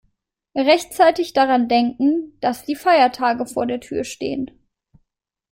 Rechtzeitig daran denken, dass die Feiertage vor der Tür stehen.